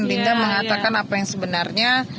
tidak mengatakan apa yang sebenarnya